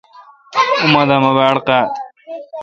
اوہ دا مہ باڑ قاد۔